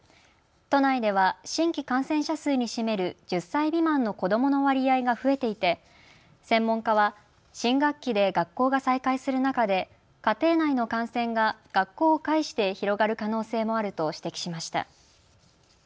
都内では新規感染者数に占める１０歳未満の子どもの割合が増えていて専門家は新学期で学校が再開する中で家庭内の感染が学校を介して広がる可能性もあると指摘しました。